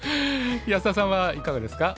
安田さんはいかがですかお父様。